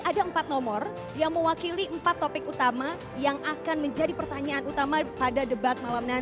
ada empat nomor yang mewakili empat topik utama yang akan menjadi pertanyaan utama pada debat malam nanti